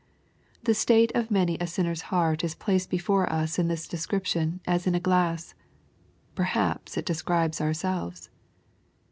The state of many a sinner's heart is placed before us in this description as in a glass. Perhaps it describes ourselves.